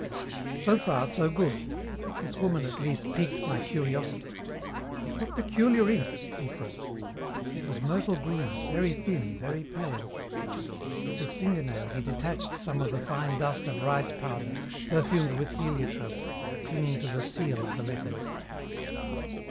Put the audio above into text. '" "So far, so good. This woman at least piqued my curiosity. And what peculiar ink," he thought. It was myrtle green, very thin, very pale. With his finger nail he detached some of the fine dust of rice powder, perfumed with heliotrope, clinging to the seal of the letters.